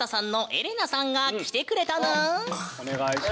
エレナさん。